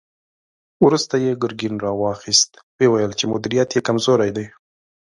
وروسته يې ګرګين را واخيست، ويې ويل چې مديريت يې کمزوری دی.